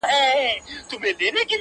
څوک به سوال کړي د کوترو له بازانو -